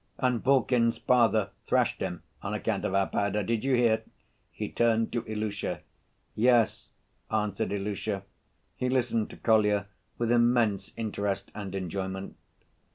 And Bulkin's father thrashed him on account of our powder, did you hear?" he turned to Ilusha. "Yes," answered Ilusha. He listened to Kolya with immense interest and enjoyment.